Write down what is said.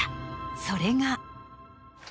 それが。